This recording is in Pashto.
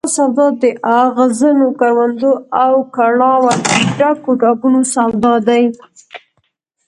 دا سواد د اغزنو کروندو او کړاوه ډکو ډاګونو سواد دی.